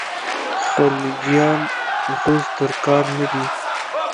خلجیان غوز ترکان نه دي.